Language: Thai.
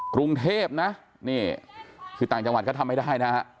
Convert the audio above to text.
กรุงเทพนะนี่คือต่างจังหวัดก็ทำไม่ได้นะฮะ